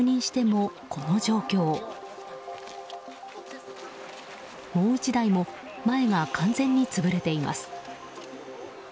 もう１台も前が完全に潰れています。